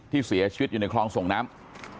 เสียชีวิตอยู่ในคลองส่งน้ำ